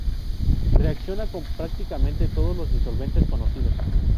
Reacciona con prácticamente todos los disolventes conocidos.